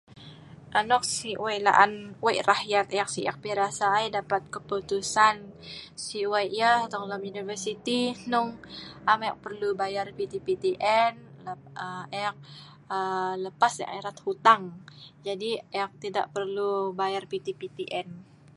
anok si' wei laan si' nok rah yatt eek si' eek pi rasa ai dapat keputusan si' wei' yah dong lem universiti hnung am eek perlu bayal PTPTN aaa eek lepas eek erat hutang, jadi eek tidak perlu bayar PTPTN